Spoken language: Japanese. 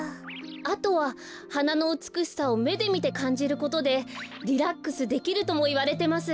あとははなのうつくしさをめでみてかんじることでリラックスできるともいわれてます。